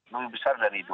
lebih besar dari itu